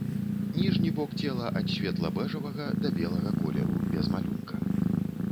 Ніжні бок цела ад светла-бэжавага да белага колеру, без малюнка.